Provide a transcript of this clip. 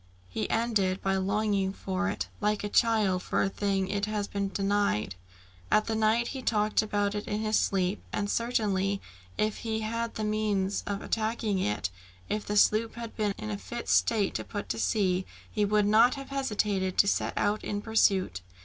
He ended by longing for it, like a child for a thing which it has been denied. At night he talked about it in his sleep, and certainly if he had had the means of attacking it, if the sloop had been in a fit state to put to sea, he would not have hesitated to set out in pursuit.